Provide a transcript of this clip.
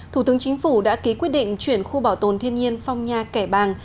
thủ tướng chính phủ đã ký quyết định chuyển khu bảo tồn thiên nhiên phong nha kẻ bàng